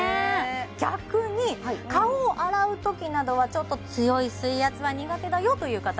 逆に顔を洗うときなどはちょっと強い水圧は苦手だよという方